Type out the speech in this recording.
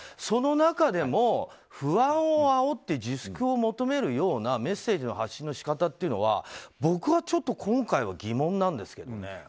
その中でも不安をあおって自粛を求めるようなメッセージの発信の仕方というのは僕はちょっと今回は疑問なんですけどね。